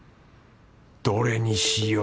どれにしよう